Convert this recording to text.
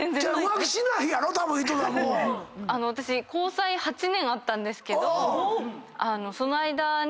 私交際８年あったんですけどその間に。